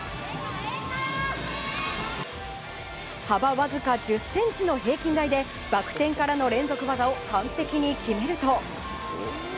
幅わずか１０ｃｍの平均台でバク転からの連続技を完璧に決めると。